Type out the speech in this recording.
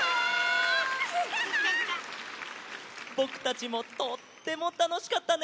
ぼくたちもとってもたのしかったね！